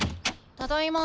ただいま。